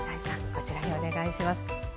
こちらにお願いします。